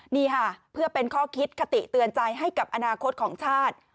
นี่ค่ะเพื่อเป็นข้อคิดคติเตือนใจให้กับอนาคตของชาติ